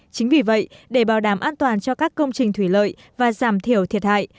chính vì vậy để bảo đảm an toàn cho các công trình thủy lợi và giảm thiểu thiệt hại